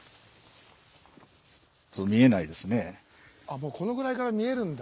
もうこのぐらいから見えるんだ。